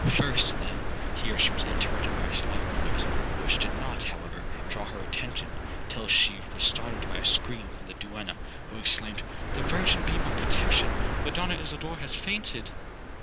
First, then,'—Here she was interrupted by a slight noise, which did not, however, draw her attention, till she was startled by a scream from the duenna, who exclaimed, 'The Virgin be my protection! Madonna Isidora has fainted!'